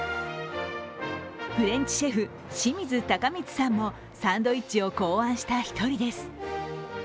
フレンチシェフ、清水崇充さんもサンドイッチを考案した１人です。